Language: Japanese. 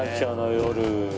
夜。